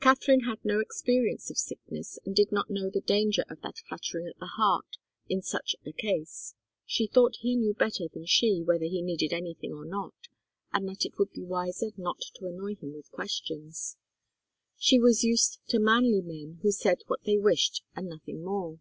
Katharine had no experience of sickness, and did not know the danger of that fluttering at the heart in such a case. She thought he knew better than she whether he needed anything or not, and that it would be wiser not to annoy him with questions. She was used to manly men who said what they wished and nothing more.